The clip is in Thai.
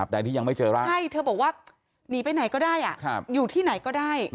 ใดที่ยังไม่เจอร่างใช่เธอบอกว่าหนีไปไหนก็ได้อยู่ที่ไหนก็ได้